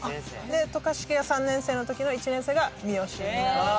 渡嘉敷が３年生の時の１年生が三好になるので。